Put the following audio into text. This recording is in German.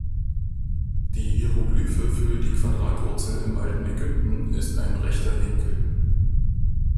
Die Hieroglyphe für die Quadratwurzel im alten Ägypten ist ein rechter Winkel.